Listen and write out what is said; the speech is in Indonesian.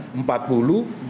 kemudian ini tersangka